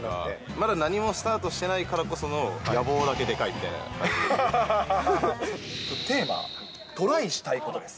まだ何もスタートしてないからこその、野望だけでかいみたいなのテーマ、トライしたいことです。